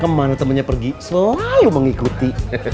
kemana temennya pergi selalu mengikuti